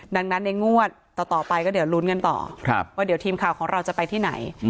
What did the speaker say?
ดังนั้นในงวดต่อไปก็เดี๋ยวลุ้นกันต่อว่าเดี๋ยวทีมข่าวของเราจะไปที่ไหน